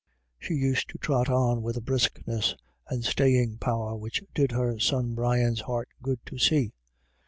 She used to trot on with a briskness and staying power which did her son Brian's heart good to see.